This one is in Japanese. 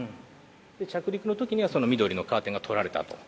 着陸のときには緑のカーテンがとられたと。